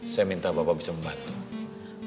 saya minta bapak bisa membantu